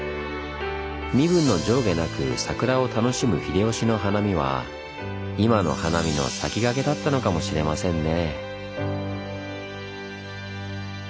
身分の上下なく桜を楽しむ秀吉の花見は今の花見の先駆けだったのかもしれませんね。